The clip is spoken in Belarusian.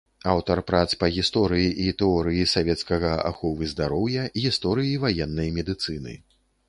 Аўтар прац па гісторыі і тэорыі савецкага аховы здароўя, гісторыі ваеннай медыцыны.